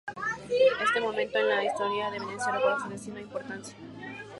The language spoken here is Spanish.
Este momento en la historia de Venecia recuerda su destino e importancia.